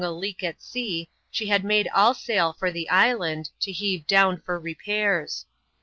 a leak at sea, she had made all sail for the island, to heave down for repairs.